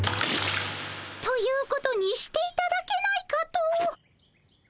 ということにしていただけないかと。